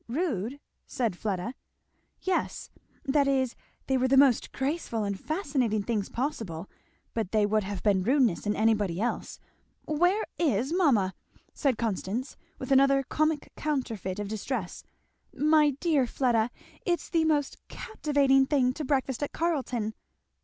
"Rude!" said Fleda. "Yes, that is, they were the most graceful and fascinating things possible, but they would have been rudeness in anybody else. Where is mamma!" said Constance with another comic counterfeit of distress "My dear Fleda, it's the most captivating thing to breakfast at Carleton!